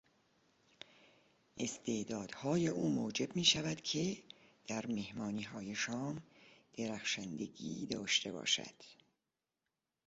استعدادهای او موجب میشد که در مهمانیهای شام درخشندگی داشته باشد.